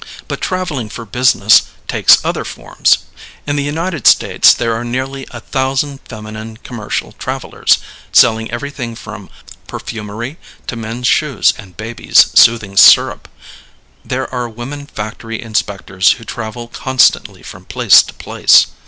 But traveling for business takes other forms. In the United States there are nearly a thousand feminine commercial travelers, selling everything from perfumery to men's shoes and babies' soothing syrup. There are women factory inspectors who travel constantly from place to place.